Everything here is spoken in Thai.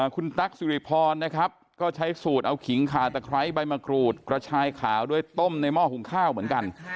คุณตั๊กสุริพรนะครับก็ใช้สูตรเอาขิงขาตะไคร้ใบมะกรูดกระชายขาวด้วยต้มในหม้อหุงข้าวเหมือนกัน